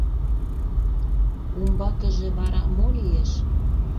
Умбакыже вара мо лиеш...